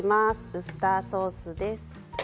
ウスターソースです。